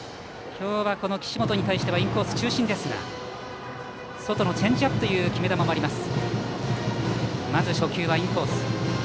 今日は岸本に対してインコース中心ですが外のチェンジアップという決め球もあります。